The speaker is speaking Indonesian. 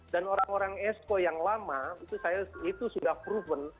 dan orang orang esko yang lama itu sudah proven